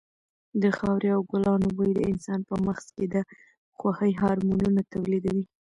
د خاورې او ګلانو بوی د انسان په مغز کې د خوښۍ هارمونونه تولیدوي.